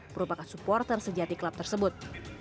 merupakan supporter sejati klub tersebut